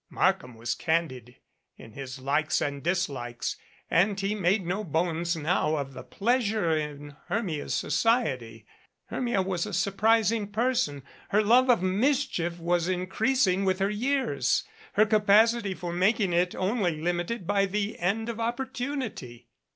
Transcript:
Markham was candid in his likes and dislikes and he made no bones now of the pleasure in Hermia's society. Hermia was a surprising person. Her love of mischief was increasing with her years, her ca pacity for making it only limited by the end of oppor tunity.